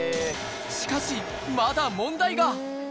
しかし、まだ問題が！